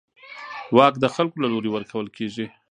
واک د خلکو له لوري ورکول کېږي